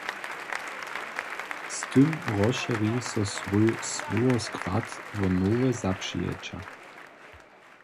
Z tym rozšěri so swój słowoskład wo nowe zapřijeća.